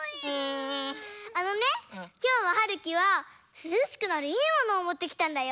あのねきょうははるきはすずしくなるいいものをもってきたんだよ。